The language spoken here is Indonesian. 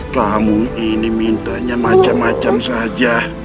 kamu ini mintanya macam macam saja